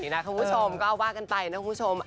นะคุณผู้ชมก็เอาว่ากันไปนะคุณผู้ชม